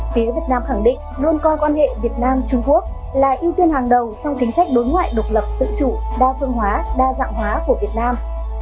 phía việt nam khẳng định luôn coi quan hệ việt nam trung quốc là ưu tiên hàng đầu trong chính sách đối ngoại độc lập tự chủ đa phương hóa đa dạng hóa của việt nam